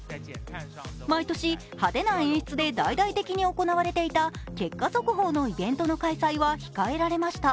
毎年、派手な演出で大々的に行われていた結果速報のイベントの開催は控えられました。